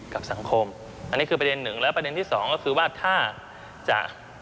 กับสังคมอันนี้คือประเด็นหนึ่งแล้วประเด็นที่สองก็คือว่าถ้าจะ